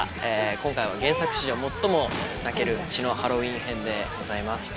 今回は原作史上最も泣ける「血のハロウィン編」でございます。